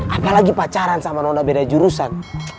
apalagi pacaran sama nona beda jurusan